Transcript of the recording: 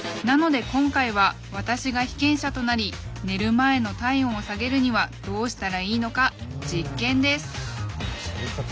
なので今回は私が被験者となり寝る前の体温を下げるにはどうしたらいいのか実験です！